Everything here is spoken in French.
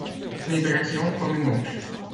Une libération comme une autre.